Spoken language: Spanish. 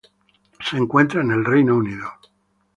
Se encuentra en Reino Unido.